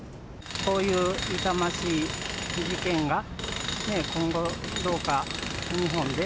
こういう痛ましい事件が今後、どうか日本で、